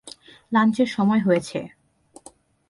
লাঞ্চের সময় হয়েছে।